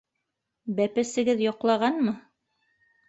Бәпесегеҙ йоҡлағанмы?